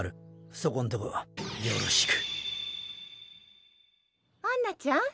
そこんとこヨロシクアンナちゃん